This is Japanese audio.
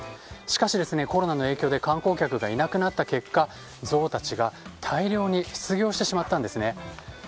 しかし、コロナの影響で観光客がいなくなった結果ゾウたちが、大量に失業してしまったんですね。